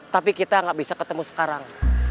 tapi kita nggak bisa ketemu sekarang